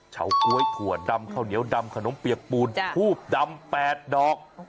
เฉก๊วยถั่วดำข้าวเหนียวดำขนมเปียกปูนทูบดำ๘ดอก